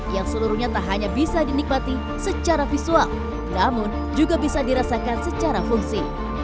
yang seluruhnya tak hanya bisa dinikmati secara visual namun juga bisa dirasakan secara fungsi